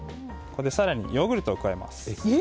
ここで更にヨーグルトを加えます。